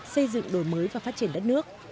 xây dựng đổi mới và phát triển đất nước